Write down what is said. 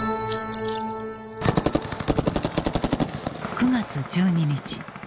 ９月１２日